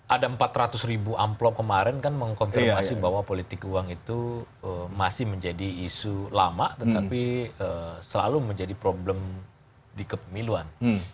ada empat ratus ribu amplop kemarin kan mengkonfirmasi bahwa politik uang itu masih menjadi isu lama tetapi selalu menjadi problem di kepemiluan